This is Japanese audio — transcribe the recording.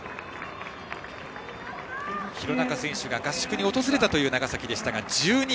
廣中選手が合宿に訪れたという長崎でしたが、１２位。